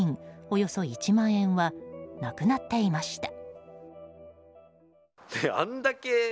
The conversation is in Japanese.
およそ１万円はなくなっていました。